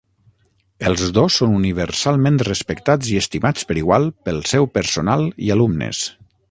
Els dos són universalment respectats i estimats per igual pel seu personal i alumnes.